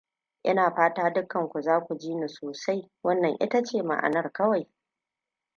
Ina fata dukkanku za ku ji ni sosai. Wannan ita ce ma'anar kawai.